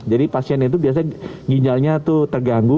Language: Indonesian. jadi pasien itu biasanya ginjalnya tuh terganggu